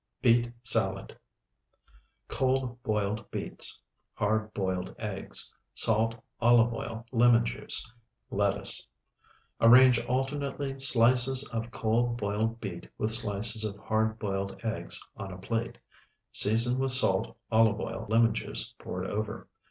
BEET SALAD Cold, boiled beets. Hard boiled eggs. Salt, olive oil, lemon juice. Lettuce. Arrange alternately slices of cold, boiled beet with slices of hard boiled eggs on a plate. Season with salt, olive oil, and lemon juice poured over.